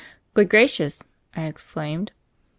"Good gracious !" I exclaimed.